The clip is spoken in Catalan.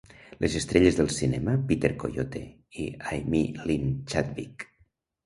Les estrelles del cinema Peter Coyote i Aimee Lynn Chadwick.